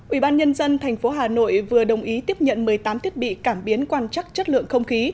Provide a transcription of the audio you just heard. ủy ban nhân dân thành phố hà nội vừa đồng ý tiếp nhận một mươi tám thiết bị cảm biến quan chắc chất lượng không khí